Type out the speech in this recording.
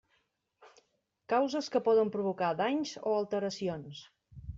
Causes que poden provocar danys o alteracions.